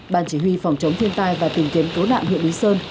bàn chỉ huy phòng chống thiên tai và tìm kiếm cố nạn huyện lý sơn